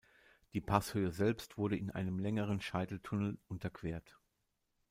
Die Passhöhe selbst wurde in einem längeren Scheiteltunnel unterquert.